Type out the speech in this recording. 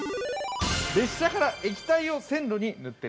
列車から液体を路線に塗ってる。